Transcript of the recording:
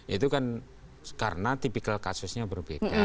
itu kan karena tipikal kasusnya berbeda